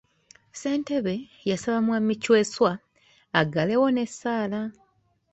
Ssentebe yasaba mwami Kyeswa aggalewo n'essaala.